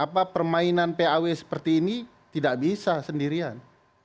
apa permainan paw seperti ini tidak bisa sendirian